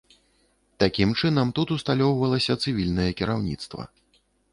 Такім чынам, тут усталёўвалася цывільнае кіраўніцтва.